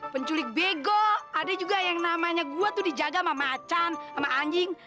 penculik bego ada juga yang namanya gue tuh dijaga sama macan sama anjing